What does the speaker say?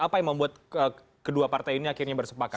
apa yang membuat kedua partai ini akhirnya bersepakat